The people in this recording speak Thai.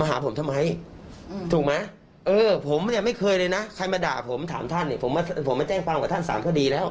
มาหาผมทำไมถูกไหมเออผมเนี่ยไม่เคยเลยนะใครมาด่าผมถามท่านเนี่ยผมมาแจ้งความกับท่าน๓คดีแล้ว